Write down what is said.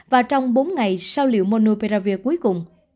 và trong bốn ngày sau liệu monopiravir cuối cùng